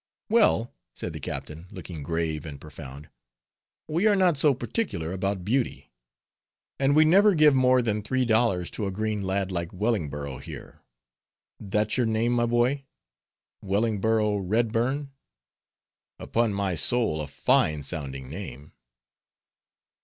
"Well," said the captain, looking grave and profound, "we are not so particular about beauty, and we never give more than three dollars to a green lad like Wellingborough here, that's your name, my boy? Wellingborough Redburn!—Upon my soul, a fine sounding name."